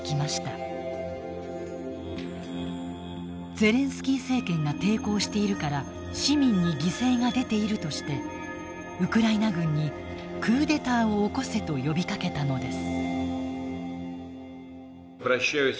ゼレンスキー政権が抵抗しているから市民に犠牲が出ているとしてウクライナ軍にクーデターを起こせと呼びかけたのです。